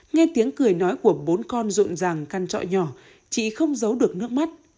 nghe tiếng cười nói của bốn con rộn ràng căn trọ nhỏ chị không giấu được nước mắt